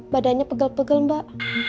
badannya pegel pegel mbak